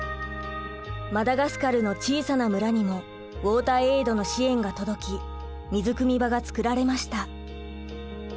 マダガスカルの小さな村にもウォーターエイドの支援が届き水くみ場が作られました。